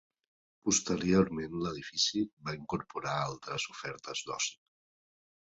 Posteriorment l'edifici va incorporar altres ofertes d'oci.